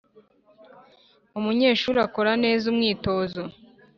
Umunyeshuri akore neza umwitozo